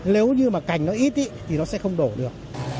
nếu như mà cành nó ít thì nó sẽ không đổ được